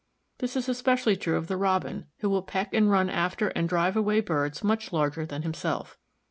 This is especially true of the Robin, who will peck and run after and drive away birds much larger than himself.